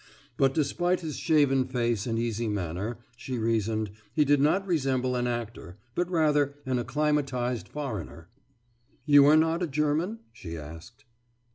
But despite his shaven face and easy manner, she reasoned, he did not resemble an actor, but rather an acclimatized foreigner. »You are not a German?« she asked.